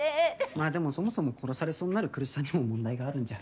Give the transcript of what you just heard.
まあでもそもそも殺されそうになる来栖さんにも問題があるんじゃ。